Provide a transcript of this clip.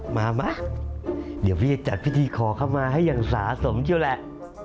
มามาเดี๋ยวพี่จะจัดพิธีขอเข้ามาให้อย่างสาสมเชียวแหละ